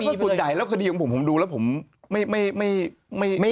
ส่วนใหญ่แล้วคดีของผมผมดูแล้วผมไม่